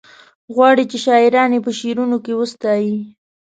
غواړي چې شاعران یې په شعرونو کې وستايي.